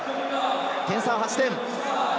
点差は８点。